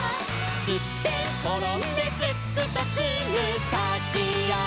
「すってんころんですっくとすぐたちあがる」